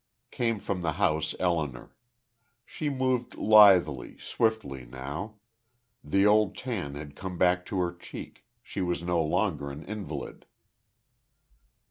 Came from the house Elinor. She moved lithely, swiftly, now. The old tan had come back to her cheek; she was no longer an invalid.